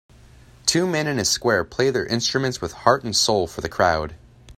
Two men in a square play their instruments with heart and soul for the crowd.